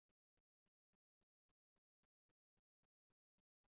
Ankaŭ turistoj ofte vizitas ĝin.